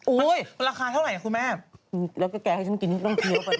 อุ๊ยราคาเท่าไหร่ครับคุณแม่แล้วก็แกให้ฉันกินต้องเคี้ยวไปก็พูดไป